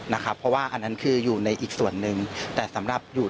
นะครับเพราะว่าอันนั้นคืออยู่ในอีกส่วนหนึ่งแต่สำหรับอยู่